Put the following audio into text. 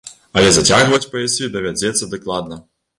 Але зацягваць паясы давядзецца дакладна.